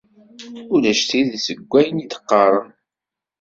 Ulac tidet deg wayen i d-qqaren.